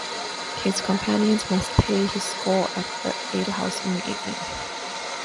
His companions must pay his score at the alehouse in the evening.